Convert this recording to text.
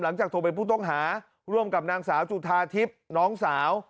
หลังจากโทรเป็นผู้ต้องหาร่วมกับนางสาวจุธาทิพย์น้องสาว